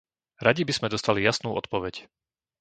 Radi by sme dostali jasnú odpoveď.